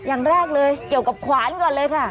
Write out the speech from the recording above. อย่างแรกเลยเกี่ยวกับขวานก่อนเลยค่ะ